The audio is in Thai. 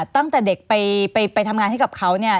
ตั้งแต่เด็กไปทำงานให้กับเขาเนี่ย